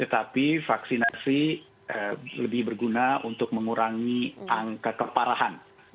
tetapi vaksinasi lebih berguna untuk mengurangi angka keparahan